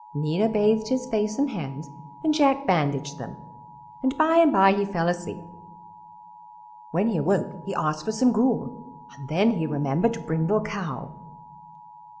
Nina bathed his face and hands and Jack bandaged them, and by and by he fell asleep. When he awoke he asked for some gruel, and then he remembered Brindle Cow.